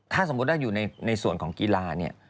ถ้าสมมุติว่าอยู่ในส่วนของกีฬาเนี่ย